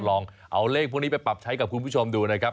ลองเอาเลขพวกนี้ไปปรับใช้กับคุณผู้ชมดูนะครับ